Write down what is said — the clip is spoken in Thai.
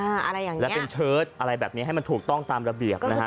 อะไรอย่างนี้และเป็นเชิดอะไรแบบนี้ให้มันถูกต้องตามระเบียบนะฮะ